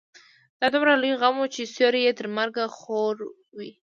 دا دومره لوی غم و چې سيوری يې تر مرګه خور وي.